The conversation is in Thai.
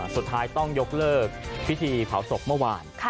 สุดท้ายต้องยกเลิกพิธีเผาศพเมื่อวาน